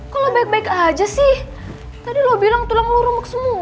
kok lo baik baik aja sih tadi lo bilang tulang lo rumek semua